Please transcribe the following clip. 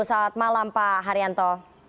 selamat malam pak haryanto